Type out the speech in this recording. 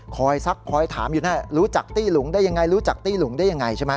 คอยซักคอยถามอยู่หน้ารู้จักตี้หลุงได้ยังไง